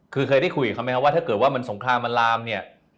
คือเคยได้คุยกับเขาไหมครับว่าถ้าเกิดว่ามันสงครามมันลามเนี่ย